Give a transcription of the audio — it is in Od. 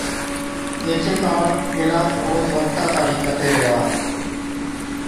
ايڇي ڪاڻ عِلاج اوهچ وقتا تاڻِين ڪتي ريهوا،